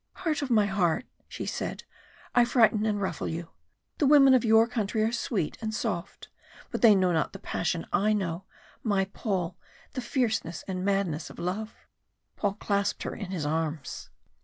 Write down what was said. "Heart of my heart," she said, "I frighten and ruffle you. The women of your country are sweet and soft, but they know not the passion I know, my Paul the fierceness and madness of love " Paul clasped her in his arms.